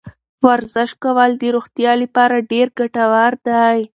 ورزش کول د روغتیا لپاره ډېر ګټور دی.